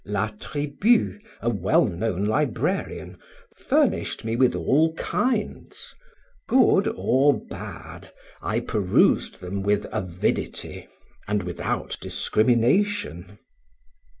La Tribu, a well known librarian, furnished me with all kinds; good or bad, I perused them with avidity, and without discrimination.